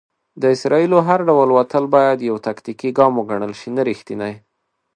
د اسرائیلو هر ډول وتل بايد يو "تاکتيکي ګام وګڼل شي، نه ريښتينی".